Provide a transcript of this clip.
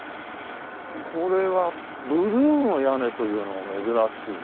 これはブルーの屋根というのも珍しいね。